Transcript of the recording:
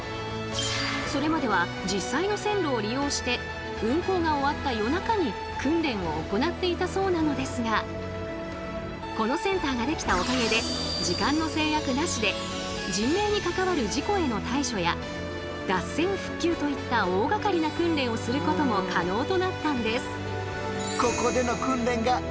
それまでは実際の線路を利用して運行が終わった夜中に訓練を行っていたそうなのですがこのセンターが出来たおかげで時間の制約なしで人命に関わる事故への対処や脱線復旧といった大がかりな訓練をすることも可能となったんです。